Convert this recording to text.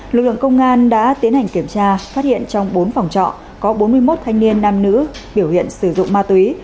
lực lượng công an đã tiến hành kiểm tra phát hiện trong bốn phòng trọ có bốn mươi một thanh niên nam nữ biểu hiện sử dụng ma túy